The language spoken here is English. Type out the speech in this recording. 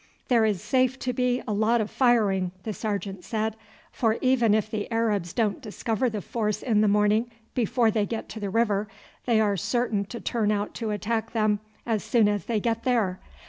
"There is safe to be a lot of firing," the sergeant said; "for even if the Arabs don't discover the force in the morning before they get to the river, they are certain to turn out to attack them as soon as they get there.